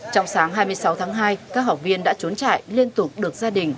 trong sáng hai mươi sáu tháng hai các học viên đã trốn trại liên tục được gia đình